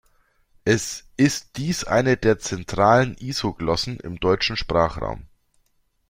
Es ist dies eine der zentralen Isoglossen im deutschen Sprachraum.